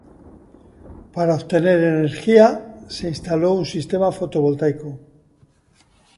Para obtener energía se instaló un sistema fotovoltaico.